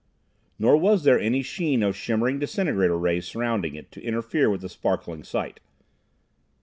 Nor was there any sheen of shimmering disintegrator rays surrounding it, to interfere with the sparkling sight.